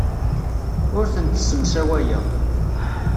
Ur tent-ssemsawayeɣ.